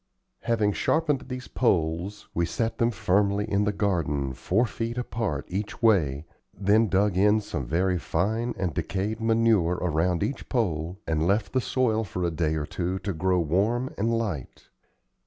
Having sharpened these poles we set them firmly in the garden, four feet apart each way, then dug in some very fine and decayed manure around each pole, and left the soil for a day or two to grow warm and light.